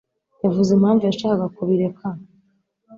yavuze impamvu yashakaga kubireka?